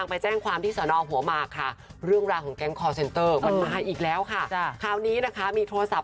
พวกผมไม่ได้กระโถนทำอะไรผมก็ได้